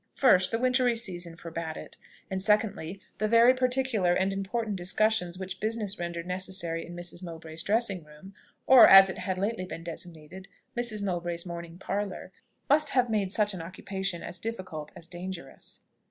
First, the wintry season forbad it; and secondly, the very particular and important discussions which business rendered necessary in Mrs. Mowbray's dressing room or, as it had lately been designated, Mrs. Mowbray's morning parlour must have made such an occupation as difficult as dangerous.